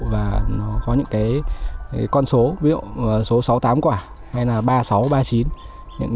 và nó có những cái con số ví dụ số sáu tám quả hay là ba sáu ba chín